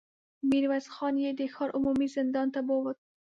ميرويس خان يې د ښار عمومي زندان ته بوت.